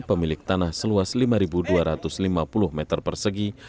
pemilik tanah seluas lima dua ratus lima puluh meter persegi